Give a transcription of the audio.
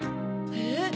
えっ？